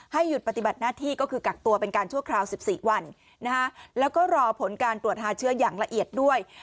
หยุดปฏิบัติหน้าที่ก็คือกักตัวเป็นการชั่วคราว๑๔วันแล้วก็รอผลการตรวจหาเชื้ออย่างละเอียดด้วย